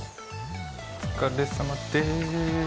お疲れさまです。